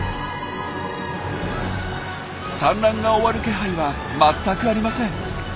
産卵が終わる気配は全くありません。